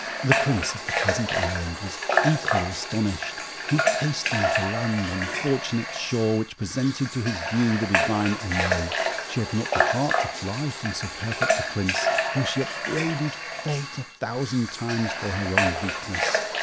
The Prince of the Pleasant Island was equally astonished. He hastened to land on the fortunate shore which presented to his view the divine Aimée. She had not the heart to fly from so perfect a prince, though she upbraided fate a thousand times for her own weakness.